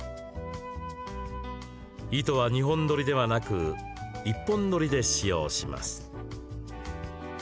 糸は２本取りではなく１本取りで使用します。